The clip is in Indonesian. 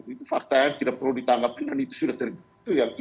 itu fakta yang tidak perlu ditanggapi dan itu sudah terjadi